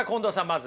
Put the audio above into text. まず。